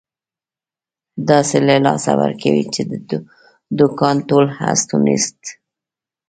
داسې له لاسه ورکوې، چې د دوکان ټول هست او نیست.